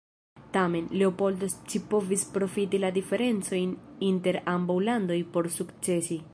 Tamen, Leopoldo scipovis profiti la diferencojn inter ambaŭ landoj por sukcesi.